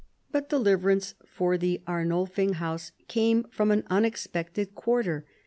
But deliverance for the Arnul fing house came from an unexpected quarter.